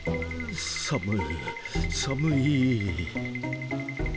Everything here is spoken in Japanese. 寒い寒い！